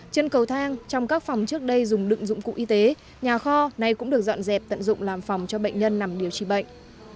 chân cầu thang trong các phòng trước đây dùng đựng dụng cụ y tế nhà kho này cũng được dọn dẹp tận dụng làm phòng cho bệnh nhân nằm điều trị bệnh